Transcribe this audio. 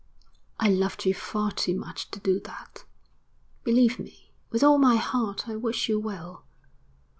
'I loved you far too much to do that. Believe me, with all my heart I wish you well.